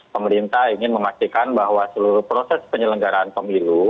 pemerintah ingin memastikan bahwa seluruh proses penyelenggaraan pemilu